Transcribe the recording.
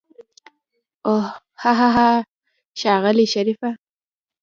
اوح هاهاها ښاغلی شريفه.